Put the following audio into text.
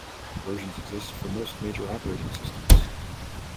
Versions exist for most major operating-systems.